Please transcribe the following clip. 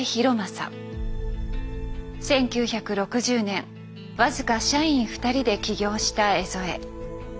１９６０年僅か社員２人で起業した江副。